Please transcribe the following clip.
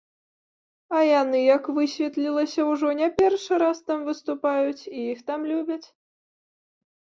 А яны, як высветлілася, ўжо не першы раз там выступаюць і іх там любяць.